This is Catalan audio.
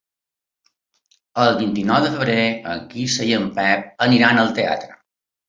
El vint-i-nou de febrer en Quirze i en Pep aniran al teatre.